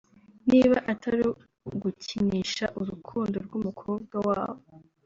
niba atari gukinisha urukundo rw’umukobwa wabo